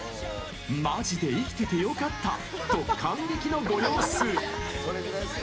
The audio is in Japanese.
「マジで生きててよかった」と感激のご様子。